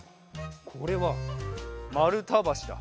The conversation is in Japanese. これはまるたばしだ！